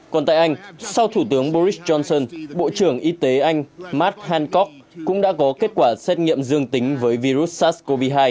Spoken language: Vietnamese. còn tại anh sau thủ tướng boris johnson bộ trưởng y tế anh mad hankok cũng đã có kết quả xét nghiệm dương tính với virus sars cov hai